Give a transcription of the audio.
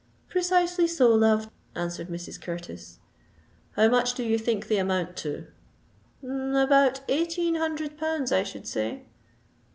"Precisely so, love," answered Mrs. Curtis. "How much do you think they amount to?" "About eighteen hundred pounds, I should say?"